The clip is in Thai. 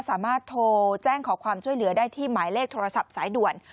สามารถโทรแจ้งขอความช่วยเหลือได้ที่หมายเลขโทรศัพท์สายด่วน